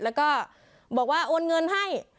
แล้วก็บอกว่าโอนเงินให้